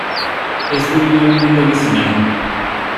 Ez du inoren mende bizi nahi.